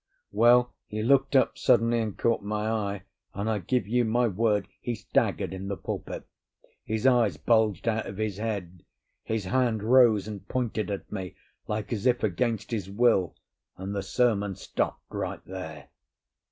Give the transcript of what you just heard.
Well, he looked up suddenly and caught my eye, and I give you my word he staggered in the pulpit; his eyes bulged out of his head, his hand rose and pointed at me like as if against his will, and the sermon stopped right there.